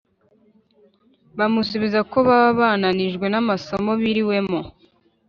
bamusubiza ko baba bananijwe n’amasomo biriwemo